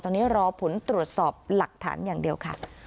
ตอนนี้รอผลตรวจสอบหลักฐานอย่างเดียวค่ะ